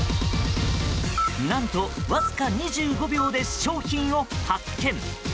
何とわずか２５秒で商品を発見。